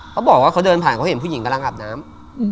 เขาบอกว่าเขาเดินผ่านเขาเห็นผู้หญิงกำลังอาบน้ำ